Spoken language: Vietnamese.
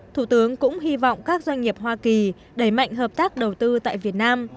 thủ tướng cũng hy vọng các doanh nghiệp hoa kỳ đẩy mạnh hợp tác đầu tư tại việt nam